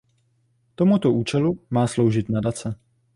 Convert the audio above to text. Tomuto účelu má sloužit Nadace.